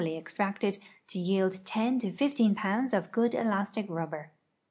}' extracted to yield 10 to 15 pounds of good elastic rubber.